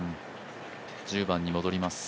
１０番に戻ります。